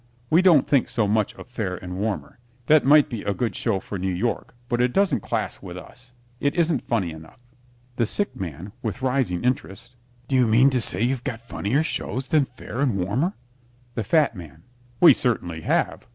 We don't think so much of "Fair and Warmer." That might be a good show for New York, but it doesn't class with us. It isn't funny enough. THE SICK MAN (with rising interest) Do you mean to say you've got funnier shows than "Fair and Warmer"? THE FAT MAN We certainly have.